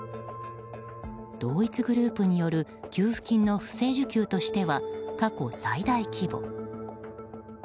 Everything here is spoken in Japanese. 同一グループによる給付金の不正受給としては過去最大規模。